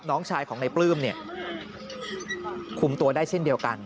น้องชายของในปลื้มเนี่ยคุมตัวได้เช่นเดียวกัน